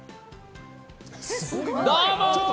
どうも！